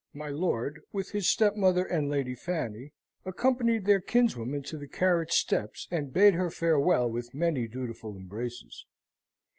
My lord, with his stepmother and Lady Fanny, accompanied their kinswoman to the carriage steps, and bade her farewell with many dutiful embraces.